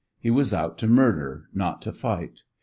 He was out to murder, not to fight.